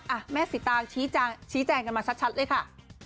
ยังไงบ้างแม่สิตาชี้แจงกันมาชัดเลยค่ะ